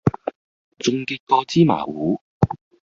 重杰過芝麻糊